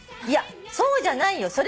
『いやそうじゃないよ